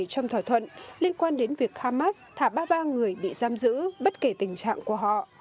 trong thỏa thuận liên quan đến việc hamas thả ba mươi ba người bị giam giữ bất kể tình trạng của họ